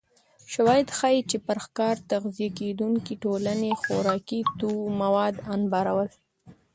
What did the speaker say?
شواهد ښيي چې پر ښکار تغذیه کېدونکې ټولنې خوراکي مواد انبارول